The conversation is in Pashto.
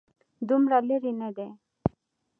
دومره لرې نه دی.